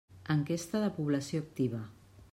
Enquesta de Població Activa.